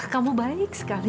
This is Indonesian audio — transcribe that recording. kamu baik sekali